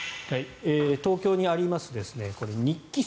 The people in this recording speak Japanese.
東京にあります日機装